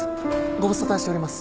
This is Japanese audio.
ご無沙汰しております。